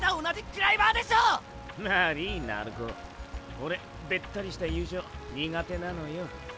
オレべったりした友情苦手なのよ。